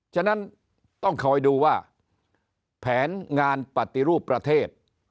ฉะนั้นต้องคอยดูว่าแผนงานปฏิรูปประเทศ